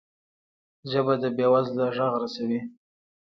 ژبه د بې وزله غږ رسوي